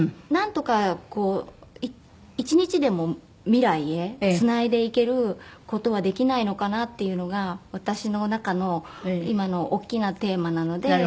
なんとかこう一日でも未来へつないでいける事はできないのかなっていうのが私の中の今の大きなテーマなので。